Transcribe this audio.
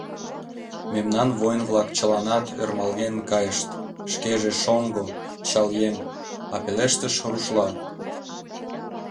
Мемнан воин-влак чыланат ӧрмалген кайышт: шкеже — шоҥго, чал еҥ, а пелештыш рушла!